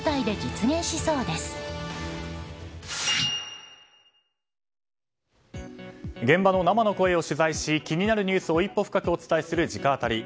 現場の生の声を取材し気になるニュースを一歩深くお伝えする直アタリ。